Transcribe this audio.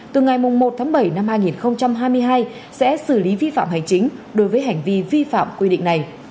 từ ngày một tháng bảy năm hai nghìn hai mươi hai sẽ xử lý vi phạm hành chính đối với hành vi vi phạm quy định này